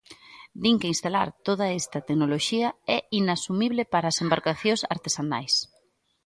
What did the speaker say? Din que instalar toda esta tecnoloxía é inasumible para as embarcacións artesanais.